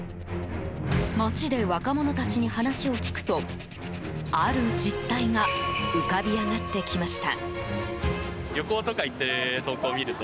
街で若者たちに話を聞くとある実態が浮かび上がってきました。